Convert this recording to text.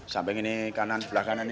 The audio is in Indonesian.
samping ini kanan belakangan ini